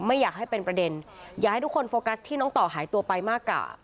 ไม่อยากให้เป็นประเด็นอยากให้ทุกคนโฟกัสที่น้องต่อหายตัวไปมากกว่า